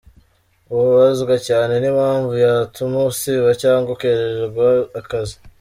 Ubabazwa cyane n’impamvu yatuma usiba cyangwa ukerererwa akazi.